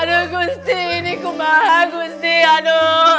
aduh gusti ini aku mahal gusti aduh